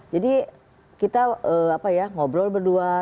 jadi kita ngobrol berdua